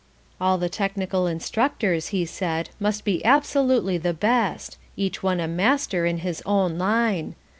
All the technical instructors, he said, must be absolutely the best, each one a master in his own line.